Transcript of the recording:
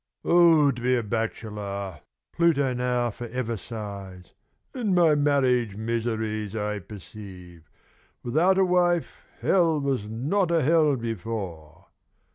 "O to be a bachelor!" Pluto now forever sighs. "In my marriage miseries, I perceive, without a wife Hell was not a hell before.